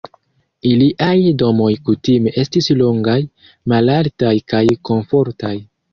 Iliaj domoj kutime estis longaj, malaltaj kaj komfortaj.